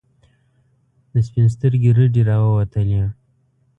د سپین سترګي رډي راووتلې.